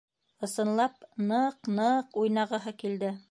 Ысынлап, ны-ыҡ-ны-ыҡ уйнағыһы килде.